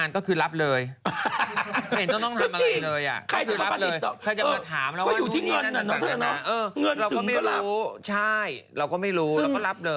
ถามมา